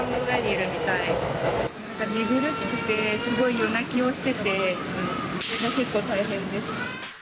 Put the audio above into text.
寝苦しくて、すごい夜泣きをしてて、それが結構大変です。